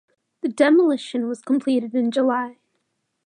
The demolition was completed in July.